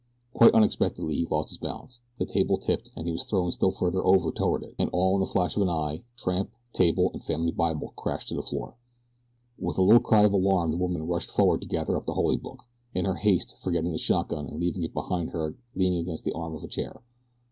Quite unexpectedly he lost his balance, the table tipped, he was thrown still farther over toward it, and all in the flash of an eye tramp, table, and family Bible crashed to the floor. With a little cry of alarm the woman rushed forward to gather up the Holy Book, in her haste forgetting the shotgun and leaving it behind her leaning against the arm of a chair.